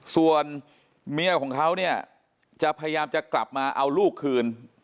ส่วนเมียของเขาเนี่ยจะพยายามจะกลับมาเอาลูกคืน